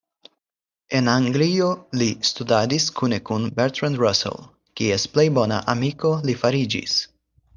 En Anglio li studadis kune kun Bertrand Russell, kies plej bona amiko li fariĝis.